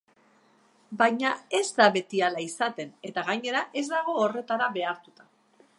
Baina ez da beti hala izaten, eta gainera ez dago horretara behartuta.